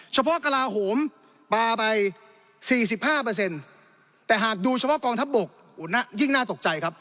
กระลาโหมปลาไป๔๕แต่หากดูเฉพาะกองทัพบกยิ่งน่าตกใจครับ